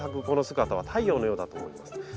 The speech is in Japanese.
この姿は太陽のようだと思います。